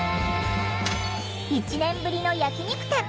１年ぶりの焼き肉店。